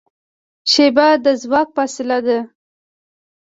شیبه د ځواک فاصله ده.